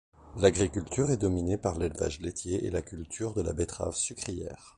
L'agriculture est dominée par l'élevage laitier et la culture de la betterave sucrière.